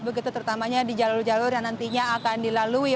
begitu terutamanya di jalur jalur yang nantinya akan dilalui